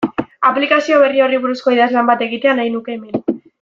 Aplikazio berri horri buruzko idazlan bat egitea nahi nuke hemen.